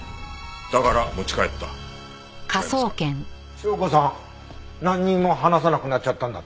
紹子さんなんにも話さなくなっちゃったんだって？